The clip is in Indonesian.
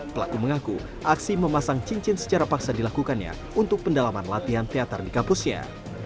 pelaku mengaku aksi memasang cincin secara paksa dilakukannya untuk pendalaman latihan teater di kampusnya